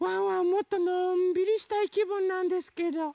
もっとのんびりしたいきぶんなんですけど。